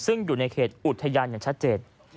ซึ่งอยู่ในเขตอุทยานอย่างชัดเจน